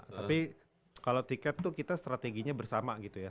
tapi kalau tiket tuh kita strateginya bersama gitu ya